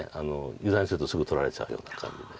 油断するとすぐ取られちゃうような感じで。